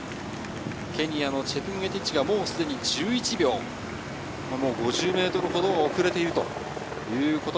ケニアのチェプンゲティッチがすでに１１秒、５０ｍほど遅れている。